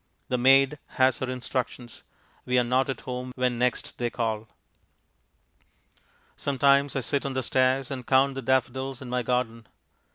The maid has her instructions; we are not at home when next they call. Sometimes I sit on the stairs and count the daffodils in my garden.